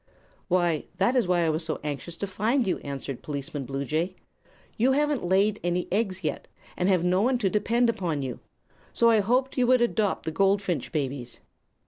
"Why, that is why I was so anxious to find you," answered Policeman Bluejay. "You haven't laid any eggs yet, and have no one to depend upon you. So I hoped you would adopt the goldfinch babies."